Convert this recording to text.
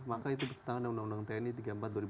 maka itu bertanggung jawab undang undang tni